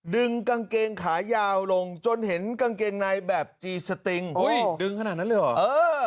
ดึงกางเกงขายาวลงจนเห็นกางเกงในแบบจีสติงอุ้ยดึงขนาดนั้นเลยเหรอเออ